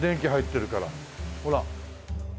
ほら。